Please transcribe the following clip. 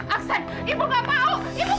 aksan ibu nggak mau